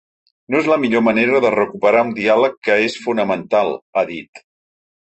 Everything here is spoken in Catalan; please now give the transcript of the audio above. No és la millor manera de recuperar un diàleg que és fonamental, ha dit.